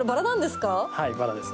はい、バラです。